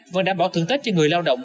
vẫn đảm bảo thưởng tết cho người lao động